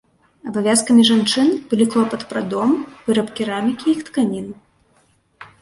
Абавязкамі жанчын былі клопат пра дом, выраб керамікі і тканін.